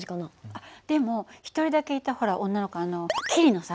あっでも１人だけいたほら女の子あの桐野さん？